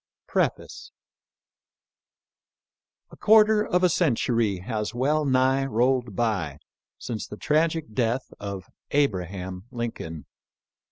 >P]^EE^6E 4 A QUARTER of a century has well nigh rolled by since the tragic death of Abraham Lincoln.